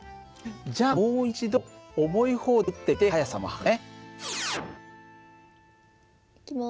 じゃあもう一度重い方で撃ってみて速さも測ろうね。